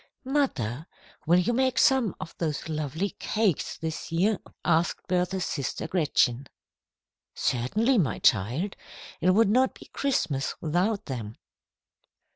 "Mother, you will make some of those lovely cakes this year, won't you?" asked Bertha's sister Gretchen. "Certainly, my child. It would not be Christmas without them.